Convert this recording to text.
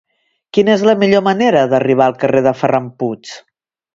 Quina és la millor manera d'arribar al carrer de Ferran Puig?